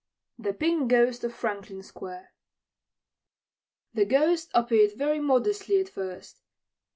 The Pink Ghost of Franklin Square The Ghost appeared very modestly at first.